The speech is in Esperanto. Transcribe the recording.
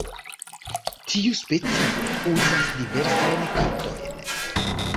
Tiu specio uzas diversajn kantojn.